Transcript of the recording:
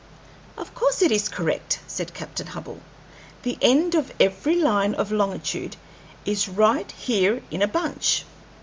"Of course it is correct," said Captain Hubbell. "The end of every line of longitude is right here in a bunch.